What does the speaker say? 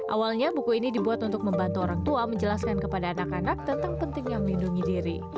awalnya buku ini dibuat untuk membantu orang tua menjelaskan kepada anak anak tentang pentingnya melindungi diri